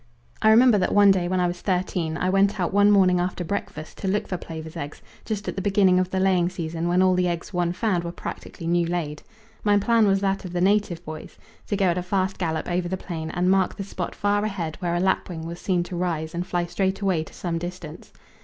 I remember that one day, when I was thirteen, I went out one morning after breakfast to look for plovers' eggs, just at the beginning of the laying season when all the eggs one found were practically new laid. My plan was that of the native boys, to go at a fast gallop over the plain and mark the spot far ahead where a lapwing was seen to rise and fly straight away to some distance.